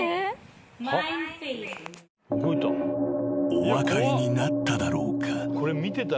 ［お分かりになっただろうか？］